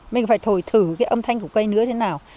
mình phải thổi thử cái âm thanh của cây nứa thế nào